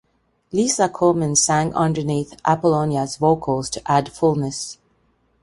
Lisa Coleman sang underneath Apollonia's vocals to add fullness.